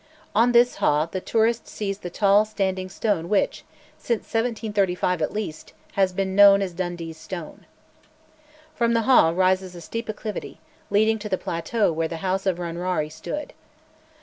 On this haugh the tourist sees the tall standing stone which, since 1735 at least, has been known as "Dundee's stone." From the haugh rises a steep acclivity, leading to the plateau where the house of Runraurie stood.